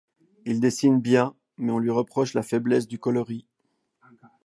Il dessine bien mais on lui reproche la faiblesse du coloris.